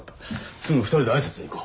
すぐ２人で挨拶に行こう。